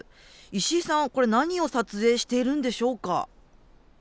石井さんこれは何を撮影しているんでしょうか？